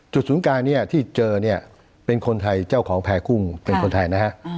ศูนย์กลางเนี่ยที่เจอเนี่ยเป็นคนไทยเจ้าของแพร่กุ้งเป็นคนไทยนะฮะ